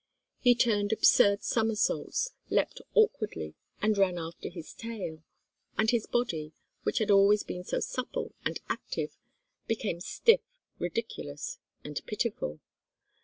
He turned absurd somersaults, leapt awkwardly, and ran after his tail; and his body, which had been always so supple and active, became stiff, ridiculous, and pitiful.